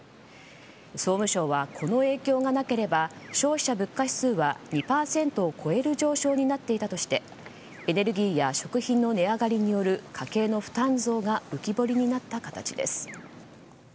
総務省は、この影響がなければ消費者物価指数は２％を超える上昇になっていたとしてエネルギーや食品の値上がりによる家計の負担増が浮き彫りになった形です。